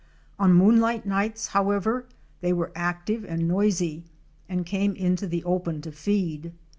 On moonlight nights however they were active and noisy, and came into the open to feed.